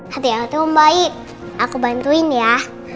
hati hati mbak i aku bantuin ya